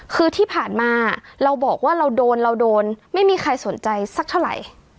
คือที่ผ่านมาเราบอกว่าเราโดนเราโดนไม่มีใครสนใจสักเท่าไหร่